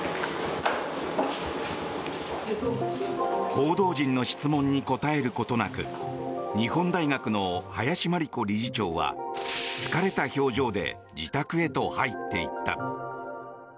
報道陣の質問に答えることなく日本大学の林真理子理事長は疲れた表情で自宅へと入っていった。